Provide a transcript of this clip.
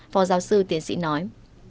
phó giáo sư tiến sĩ nói